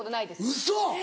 ウソ！